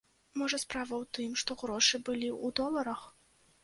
Можа, справа ў тым, што грошы былі ў доларах?